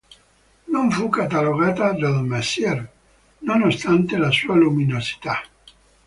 Non fu catalogata dal Messier, nonostante la sua luminosità.